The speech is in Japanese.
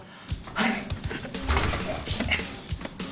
はい！